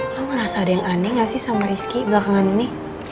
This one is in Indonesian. kamu ngerasa ada yang aneh gak sih sama rizky belakangan ini